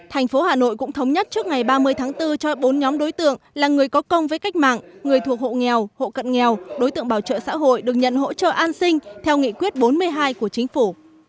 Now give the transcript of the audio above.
thành phố hà nội cũng thống nhất trước ngày ba mươi tháng bốn cho bốn nhóm đối tượng là người có công với cách mạng người thuộc hộ nghèo hộ cận nghèo đối tượng bảo trợ xã hội được nhận hỗ trợ an sinh theo nghị quyết bốn mươi hai của chính phủ